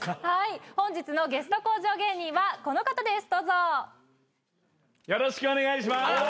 はい本日のゲスト向上芸人はこの方です